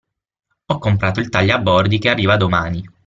Ho comprato il taglia bordi che arriva domani.